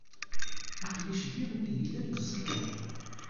Aql-i cbiɣ wid yellan deg uẓekka.